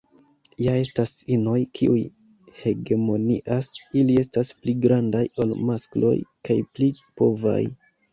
Ja estas inoj kiuj hegemonias, ili estas pli grandaj ol maskloj kaj pli povaj.